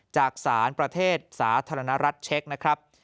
จากสารประเทศสาธารณรัฐเช็คนะครับ